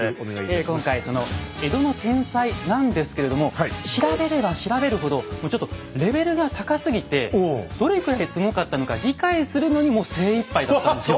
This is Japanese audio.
今回その江戸の天才なんですけれども調べれば調べるほどもうちょっとレベルが高すぎてどれくらいすごかったのか理解するのにもう精いっぱいだったんですよ。